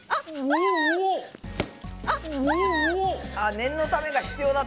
念のためが必要だった。